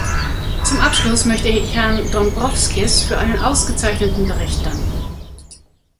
Zum Abschluss möchte ich Herrn Dombrovskis für einen ausgezeichneten Bericht danken.